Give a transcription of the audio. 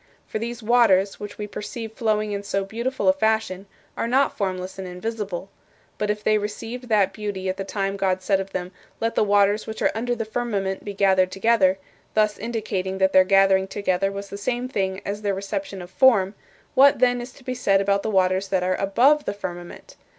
For these waters, which we perceive flowing in so beautiful a fashion, are not formless and invisible. But if they received that beauty at the time God said of them, 'Let the waters which are under the firmament be gathered together,' thus indicating that their gathering together was the same thing as their reception of form, what, then, is to be said about the waters that are above the firmament?